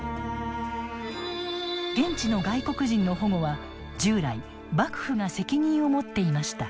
現地の外国人の保護は従来幕府が責任を持っていました。